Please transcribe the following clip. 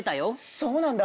そうなんだ。